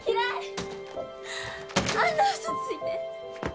あんなウソついて！